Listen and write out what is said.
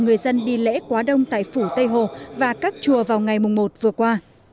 người dân đi lễ quá đông tại phủ tây hồ và các chùa vào ngày một vừa qua